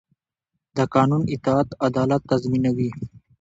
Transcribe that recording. د قانون اطاعت عدالت تضمینوي